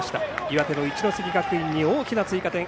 岩手の一関学院に大きな追加点。